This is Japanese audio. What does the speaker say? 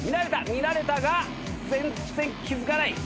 見られたが全然気付かない。